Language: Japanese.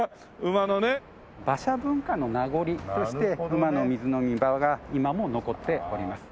馬車文化の名残として馬の水飲み場が今も残っております。